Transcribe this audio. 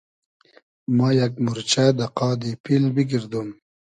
مۂ یئگ مورچۂ دۂ قادی پیل بیگئردوم